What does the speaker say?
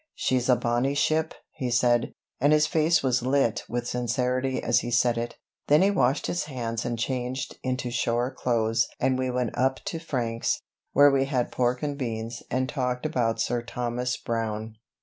"She's a bonny ship," he said, and his face was lit with sincerity as he said it. Then he washed his hands and changed into shore clothes and we went up to Frank's, where we had pork and beans and talked about Sir Thomas Browne.